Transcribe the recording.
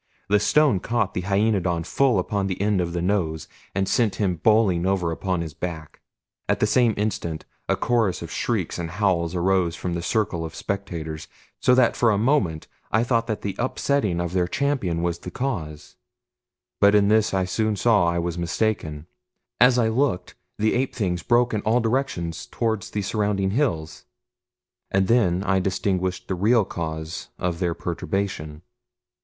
The stone caught the hyaenodon full upon the end of the nose, and sent him bowling over upon his back. At the same instant a chorus of shrieks and howls arose from the circle of spectators, so that for a moment I thought that the upsetting of their champion was the cause; but in this I soon saw that I was mistaken. As I looked, the ape things broke in all directions toward the surrounding hills, and then I distinguished the real cause of their perturbation.